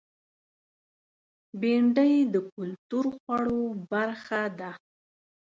بېنډۍ د کلتور خوړو برخه ده